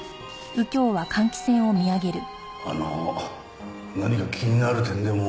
あの何か気になる点でも？